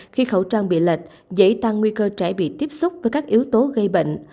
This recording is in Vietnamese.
khi khẩu trang bị lệch dễ tăng nguy cơ trẻ bị tiếp xúc với các yếu tố gây bệnh